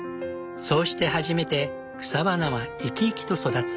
そうして初めて草花は生き生きと育つ。